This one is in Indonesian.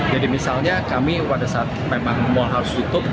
jadi misalnya kami pada saat memang mall harus tutup